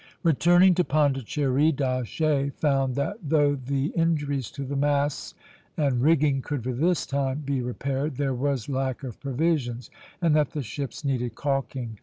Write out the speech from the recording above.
Returning to Pondicherry, D'Aché found that, though the injuries to the masts and rigging could for this time be repaired, there was lack of provisions, and that the ships needed calking.